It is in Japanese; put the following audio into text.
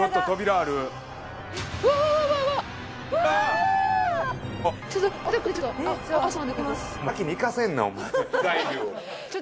あっ！